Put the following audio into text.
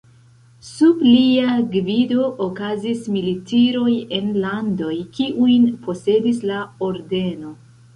Sub lia gvido okazis militiroj en landoj kiujn posedis la ordeno.